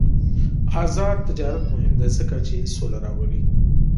آزاد تجارت مهم دی ځکه چې سوله راولي.